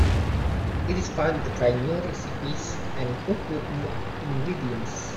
It is fun to try new recipes and cook with new ingredients.